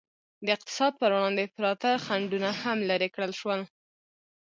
د اقتصاد پر وړاندې پراته خنډونه هم لرې کړل شول.